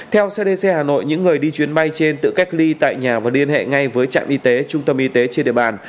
theo cdc hà nội những người đi chuyến bay trên tự cách ly tại nhà và liên hệ ngay với trạm y tế trung tâm y tế trên địa bàn